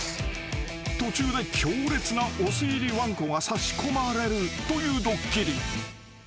［途中で強烈なお酢入りわんこが差し込まれるというドッキリ］